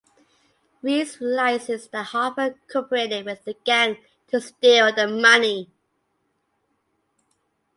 Reese realizes that Harper cooperated with the gang to steal the money.